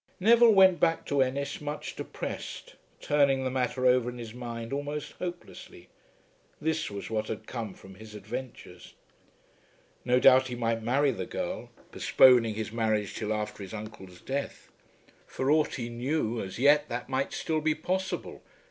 Neville went back to Ennis much depressed, turning the matter over in his mind almost hopelessly. This was what had come from his adventures! No doubt he might marry the girl, postponing his marriage till after his uncle's death. For aught he knew as yet that might still be possible.